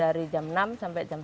dari jam enam sampai jam empat